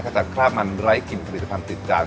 ถ้าจากคราบมันไร้กลิ่นผลิตภัณฑ์ติดจาน